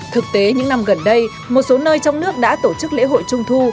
thực tế những năm gần đây một số nơi trong nước đã tổ chức lễ hội trung thu